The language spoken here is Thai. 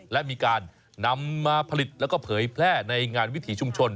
และมีการนำมาผลิตแล้วก็เผยแพร่ในงานวิถีชุมชน